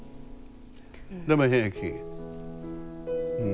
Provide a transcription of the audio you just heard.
でも平気。